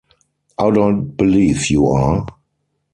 I don't believe you are!